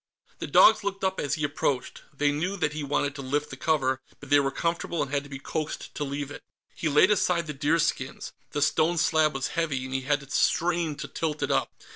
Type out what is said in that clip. The dogs looked up as he approached. They knew that he wanted to lift the cover, but they were comfortable and had to be coaxed to leave it. He laid aside the deerskins. The stone slab was heavy, and he had to strain to tilt it up.